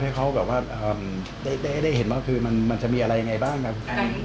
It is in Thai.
ให้เขาแบบว่าได้เห็นว่าคือมันจะมีอะไรยังไงบ้างครับ